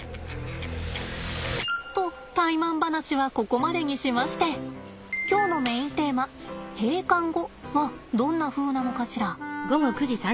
とタイマン話はここまでにしまして今日のメインテーマ閉館後はどんなふうなのかしら。